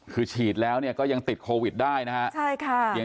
คือฉีดแล้วเนี่ยก็ยังติดโควิดได้นะครับ